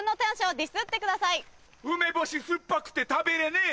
梅干し酸っぱくて食べれねえ